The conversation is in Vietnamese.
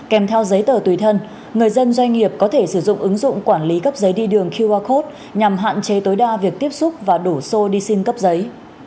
kèm theo giấy tờ tùy thân người dân doanh nghiệp có thể sử dụng ứng dụng quản lý cấp giấy đi đường qr code nhằm hạn chế tối đa việc tiếp xúc và đổ xô đi xin cấp giấy